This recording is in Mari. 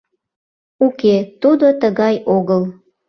Уке, тудо тыгай огыл.